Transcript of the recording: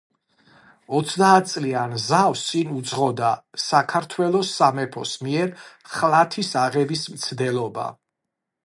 ოცდაათწლიან ზავს წინ უძღვოდა საქართველოს სამეფოს მიერ ხლათის აღების მცდელობა.